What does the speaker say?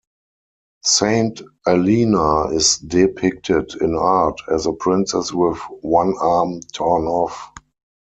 Saint Alena is depicted in art as a princess with one arm torn off.